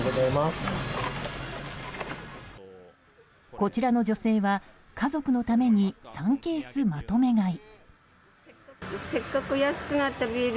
こちらの女性は、家族のために３ケースまとめ買い。